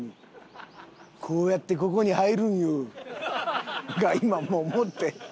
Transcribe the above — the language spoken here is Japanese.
「こうやってここに入るんよ」が今もう持って。